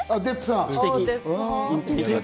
デップさん？